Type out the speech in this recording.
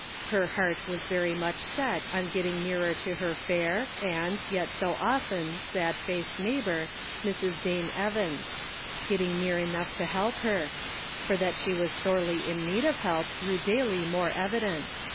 Her heart was very much set on getting nearer to her fair, and, yet so often, sad faced neighbor, Mrs. Dane Evans ; getting near enough to help her : for that she was sorely in need of help grew daily more evident.